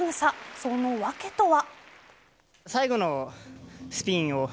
その訳とは。